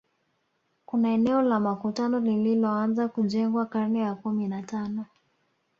Kuna eneo la makutano lililoanza kujengwa karne ya kumi na tano